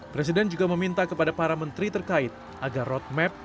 presiden juga meminta kepada para menteri terkait agar roadmap